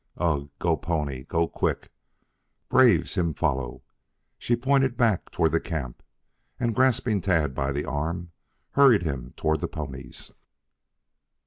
"Ugh! Go pony. Go quick. Braves him follow." She pointed back toward the camp, and, grasping Tad by the arm, hurried him toward the ponies.